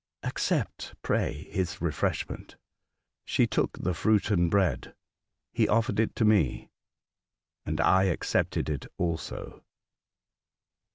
Accept, pray, his refresh ment." She took the fruit and bread. He offered it to me, and I accepted it also.